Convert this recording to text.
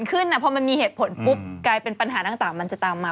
ขึ้นพอมันมีเหตุผลปุ๊บกลายเป็นปัญหาต่างมันจะตามมา